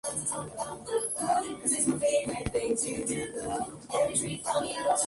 Está nombrado por Hippo Regius, antigua ciudad del norte de África.